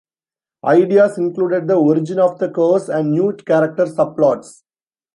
Ideas included the origin of the curse and new character subplots.